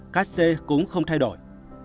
các xe cũng không thay đổi